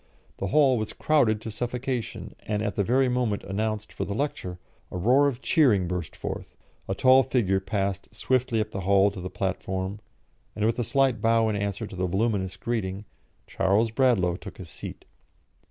The Hall was crowded to suffocation, and, at the very moment announced for the lecture, a roar of cheering burst forth, a tall figure passed swiftly up the Hall to the platform, and, with a slight bow in answer to the voluminous greeting, Charles Bradlaugh took his seat.